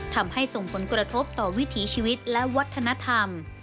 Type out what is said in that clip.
ส่งผลกระทบต่อวิถีชีวิตและวัฒนธรรม